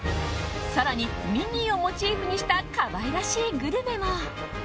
更にミニーをモチーフにした可愛らしいグルメも。